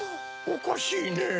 おかしいねぇ。